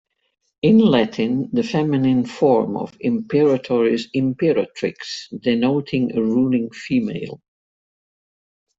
In Latin, the feminine form of imperator is imperatrix, denoting a ruling "female".